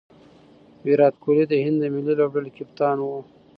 ویرات کهولي د هند د ملي لوبډلي کپتان وو.